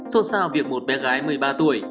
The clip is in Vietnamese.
xôn xao việc một bé gái một mươi ba tuổi